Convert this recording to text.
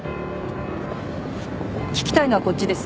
聞きたいのはこっちです。